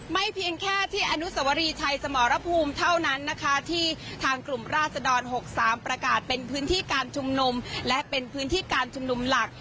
เพียงแค่ที่อนุสวรีชัยสมรภูมิเท่านั้นนะคะที่ทางกลุ่มราศดร๖๓ประกาศเป็นพื้นที่การชุมนุมและเป็นพื้นที่การชุมนุมหลัก